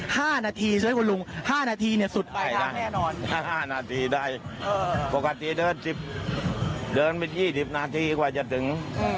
ห้านาทีใช่ไหมคุณลุงห้านาทีเนี่ยสุดไปนะห้าห้านาทีได้ปกติเดินสิบเดินไปยี่สิบนาทีกว่าจะถึง